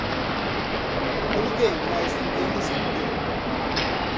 Eu liguei, mas ninguém respondeu.